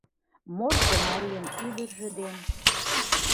Морко марийын ӱдыржӧ ден